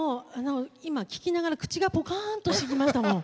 聴きながら、口がぽかーんとしてきましたもん。